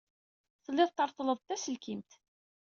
Tellid treḍḍled-d taselkimt.